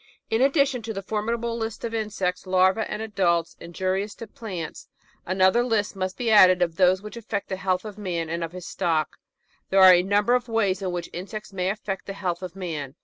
In addition to the formidable list of insects, larvse and adults, injurious to plants, another list must be added of those which affect the health of man and of his stock. There are a number of ways in which insects may affect the health of man.